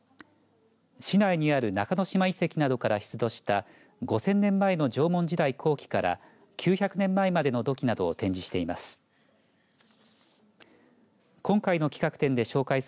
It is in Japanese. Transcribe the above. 市内にある中ノ島遺跡などから出土した５０００年前の縄文時代後期から９００年前までの土器などを展示しています。